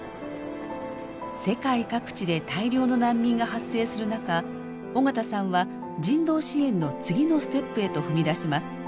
世界各地で大量の難民が発生する中緒方さんは人道支援の次のステップへと踏み出します。